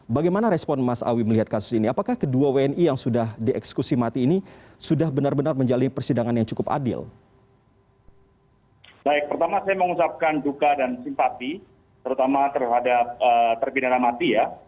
baik pertama saya mengucapkan duka dan simpati terutama terhadap terbidana mati ya